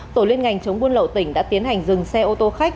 tổ liên ngành chống buôn lậu tỉnh đã tiến hành dừng xe ô tô khách